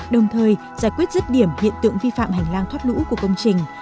đồng thời giải quyết rứt điểm hiện tượng vi phạm hành lang thoát lũ của công trình